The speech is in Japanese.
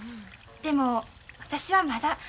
でも私はまだ。